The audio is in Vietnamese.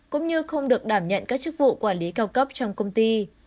cũng như không được đảm nhận các chức vụ quản lý cao cấp trong công ty